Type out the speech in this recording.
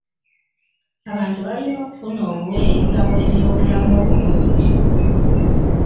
Abantu balina okufuna obuweereza bw'ebyobulamu obulungi.